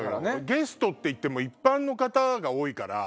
ゲストって一般の方が多いから。